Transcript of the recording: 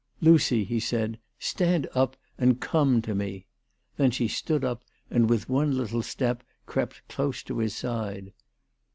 " Lucy," he said, " stand up and come to me." Then she stood up and with one THE TELEGRAPH GIEL. 313 little step crept close to his side.